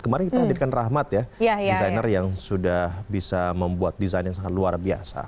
kemarin kita hadirkan rahmat ya desainer yang sudah bisa membuat desain yang sangat luar biasa